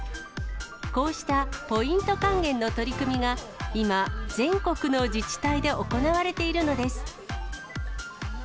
こうしたポイント還元の取り組みが今、全国の自治体で行われているのです。